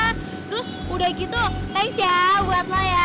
terus udah gitu thanks ya buat lo ya